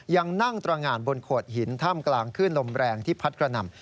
ยังนั่งตรงานบนโขดหินท่ามกลางขึ้นลมแรงที่พัดกระหน่ำ